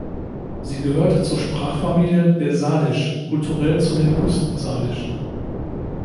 Sie gehört zur Sprachfamilie des Salish, kulturell zu den Küsten-Salish.